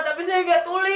tapi saya tidak peduli